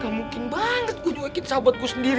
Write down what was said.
gak mungkin banget gue jual kit sahabat gue sendiri